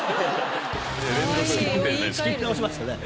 仕切り直しましたね。